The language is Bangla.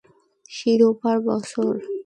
শিরোপার বছর